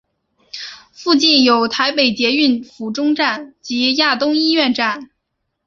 附近有台北捷运府中站及亚东医院站。